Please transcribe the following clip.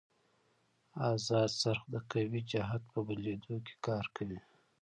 ازاد څرخ د قوې جهت په بدلېدو کې کار کوي.